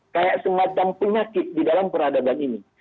kayak semacam penyakit di dalam peradaban ini